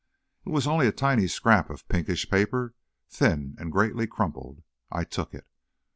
It was only a tiny scrap of pinkish paper, thin and greatly crumpled. I took it.